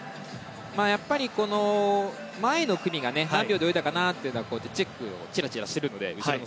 やっぱり前の組が何秒で泳いだかは後ろの選手はチェックをちらちらとしているのでね。